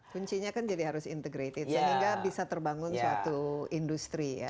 kuncinya kan jadi harus integrated sehingga bisa terbangun suatu industri ya